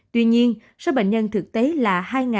tuy nhiên số bệnh nhân thực tế là hai bốn mươi một